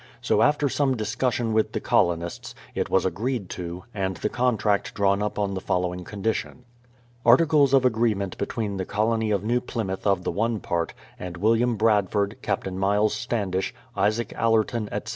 So after some discussion with the colonists, it was agreed to, and the contract drawn up on the following condition. Articles of Agreement bctrvcen the Colony of Nezv Plymouth of the one part, and IVilliam Bradford, Captain Myles Standish, Isaac Allcrton, etc.